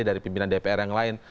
dari pimpinan dpr yang lain